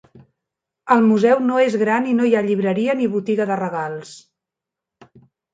El museu no és gran i no hi ha llibreria ni botiga de regals.